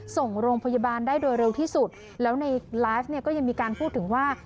ส่งโรงพยาบาลได้โดยเร็วที่สุดแล้วในไลฟ์เนี่ยก็ยังมีการพูดถึงว่า